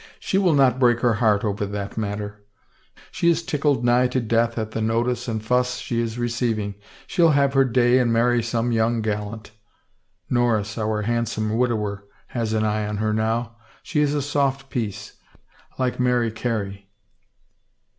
" She will not break her heart over the matter ; she is tickled nigh to death at the notice and fuss she is receiving. She'll have her day and marry some young gallant — Norris, our handsome widower, has an eye on her now. She is a soft piece, like Mary Carey."